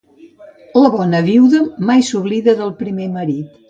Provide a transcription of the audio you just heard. La bona viuda mai s'oblida del primer marit.